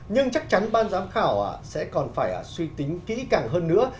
nhưng chắc chắn ban giám khảo sẽ còn phải suy tính kỹ càng hơn nữa